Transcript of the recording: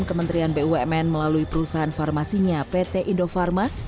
kementerian bumn melalui perusahaan farmasinya pt indofarma